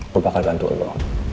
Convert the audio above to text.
gue bakal bantu lo